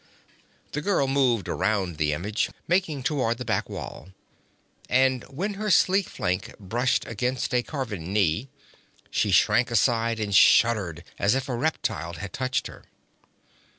The girl moved around the image, making toward the back wall, and when her sleek flank brushed against a carven knee, she shrank aside and shuddered as if a reptile had touched her.